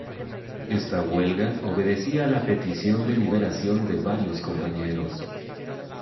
Esta huelga obedecía a la petición de liberación de varios compañeros.